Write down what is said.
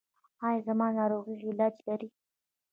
ایا زما ناروغي علاج لري؟